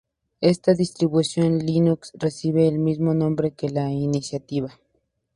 Esta distribución Linux recibe el mismo nombre que la iniciativa.